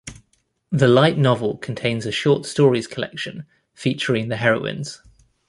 The light novel contains a short stories collection featuring the heroines.